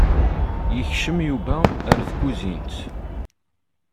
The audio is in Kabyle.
Yekcem Yuba ar tkuzint.